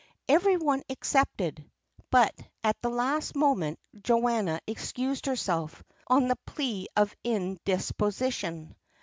Every one accepted. But at the last moment Joanna excused herself, on the plea of indisposition.